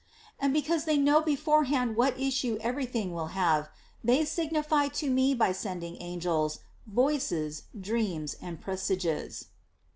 And because they know beforehand what issue every thing will have, they signify it to me by sending angels, voices, dreams, and presages."